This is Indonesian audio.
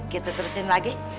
kita terusin lagi